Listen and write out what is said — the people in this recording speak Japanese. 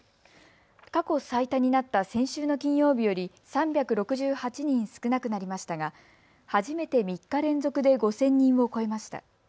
過去最多になった先週の金曜日より３６８人少なくなりましたが初めて３日連続で５０００人を超えました。